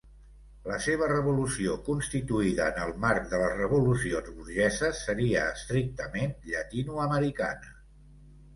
La seva revolució, constituïda en el marc de les revolucions burgeses, seria estrictament llatinoamericana.